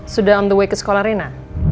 sudah on the way ke sekolah rena